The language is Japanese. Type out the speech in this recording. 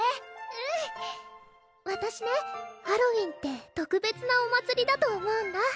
うんわたしねハロウィーンって特別なお祭りだと思うんだ